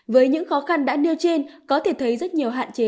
với những khó khăn đã nêu trên có thể thấy rất nhiều hạn chế